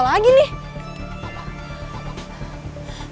hanya aku ngekoneksikan